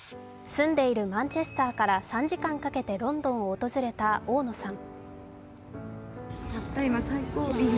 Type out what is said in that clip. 住んでいるマンチェスターから３時間かけてロンドンを訪れた大野さん。